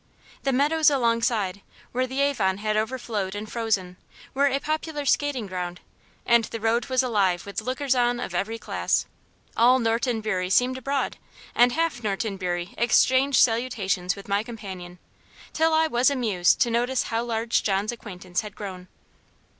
The meadows alongside, where the Avon had overflowed and frozen, were a popular skating ground: and the road was alive with lookers on of every class. All Norton Bury seemed abroad; and half Norton Bury exchanged salutations with my companion, till I was amused to notice how large John's acquaintance had grown.